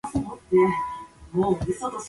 His father served as the muezzin.